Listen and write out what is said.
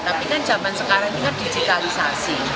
tapi kan zaman sekarang ini kan digitalisasi